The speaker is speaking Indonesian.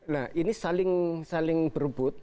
nah ini saling berbut